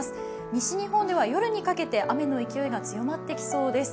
西日本では夜にかけて雨の勢いが強まってきそうです。